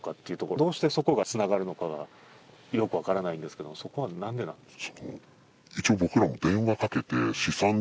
どうして、そこがつながるのかがよく分からないんですけど、そこは何でなんですか？